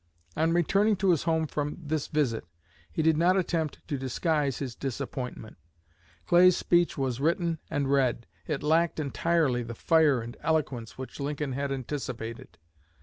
On returning to his home from this visit he did not attempt to disguise his disappointment. Clay's speech was written and read; it lacked entirely the fire and eloquence which Lincoln had anticipated.